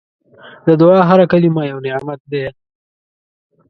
د دعا هره کلمه یو نعمت ده.